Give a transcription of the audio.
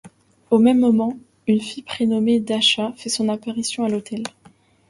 Au même moment, une fille prénommée Dacha fait son apparition à l'hôtel.